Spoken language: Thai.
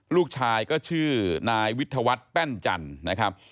ลูกชายก็ชื่อนายวิทยาวัฒน์แป้นจันทร์นะครับ